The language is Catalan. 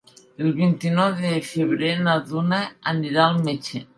El vint-i-nou de febrer na Duna anirà al metge.